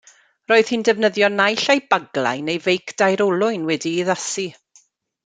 Roedd hi'n defnyddio naill ai baglau neu feic dair olwyn wedi'i addasu.